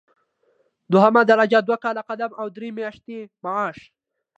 دوهمه درجه دوه کاله قدم او درې میاشتې معاش.